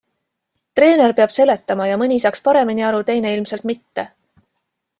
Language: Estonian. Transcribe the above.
Treener peab seletama ja mõni saaks paremini aru, teine ilmselt mitte.